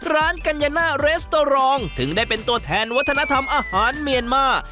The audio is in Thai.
กัญญาน่าเรสเตอรองถึงได้เป็นตัวแทนวัฒนธรรมอาหารเมียนมา